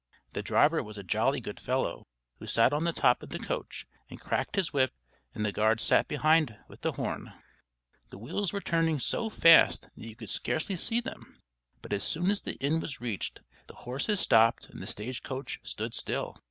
The driver was a jolly good fellow, who sat on the top of the coach and cracked his whip; and the guard sat behind with the horn. The wheels were turning so fast that you could scarcely see them, but as soon as the inn was reached, the horses stopped and the stage coach stood still.